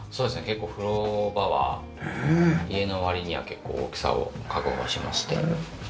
結構風呂場は家の割には結構大きさを確保しまして。